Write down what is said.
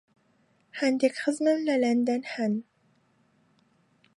هەندێک خزمم لە لەندەن هەن.